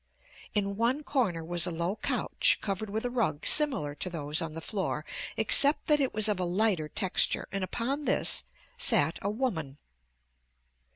In one corner was a low couch covered with a rug similar to those on the floor except that it was of a lighter texture, and upon this sat a woman.